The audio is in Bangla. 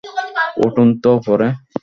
উঠুন তো উপরে।